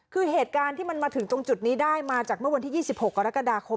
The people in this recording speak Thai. คือเหตุการณ์ที่มันมาถึงตรงจุดนี้ได้มาจากเมื่อวันที่๒๖กรกฎาคม